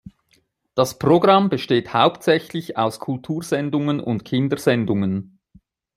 Das Programm besteht hauptsächlich aus Kultursendungen und Kindersendungen.